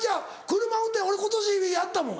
車を運転俺今年やったもん！